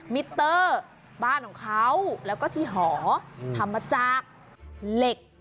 มิเตอร์บ้านของเขาแล้วก็ที่หอทำมาจากเหล็ก